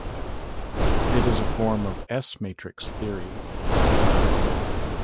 It is a form of S-matrix theory.